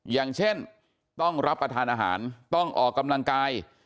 อย่างเช่นต้องรับประทานอาหารต้องออกกำลังกาย